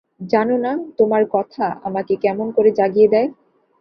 জান না, তোমার কথা আমাকে কেমন করে জাগিয়ে দেয়।